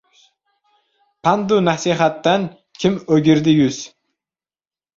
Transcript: Pandu nasihatdan kim o‘girdi yuz